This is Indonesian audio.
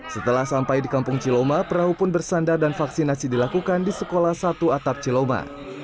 setelah sampai di kampung ciloma perahu pun bersandar dan vaksinasi dilakukan di sekolah satu atap ciloma